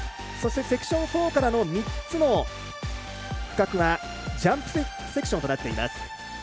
そしてセクション４からの３つのジャンプセクションとなっています。